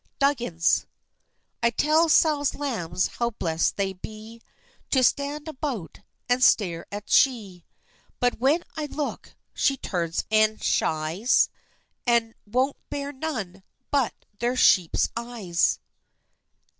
DUGGINS. I tell Sall's lambs how blest they be, To stand about, and stare at she; But when I look, she turns and shies, And won't bear none but their sheep's eyes!